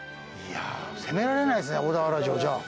攻められないですね小田原城、じゃあ。